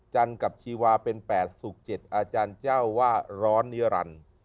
จันทร์กับชีวาเป็น๘ศูก๗อาจารย์เจ้าว่าร้อนเงียรัน